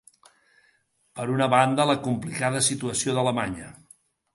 Per una banda, la complicada situació d’Alemanya.